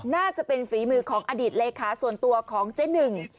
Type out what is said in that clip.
น่าจะเป็นฝีมือของอดีตเลขาส่วนตัวของเจ๊หนึ่ง